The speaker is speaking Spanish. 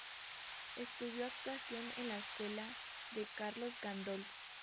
Estudió actuación en la escuela de Carlos Gandolfo.